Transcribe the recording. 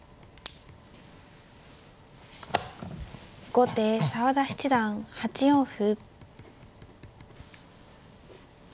後手澤田七段８四歩。